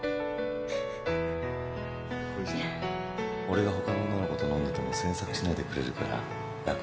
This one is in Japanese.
俺が他の女の子と飲んでても詮索しないでくれるから楽だよ。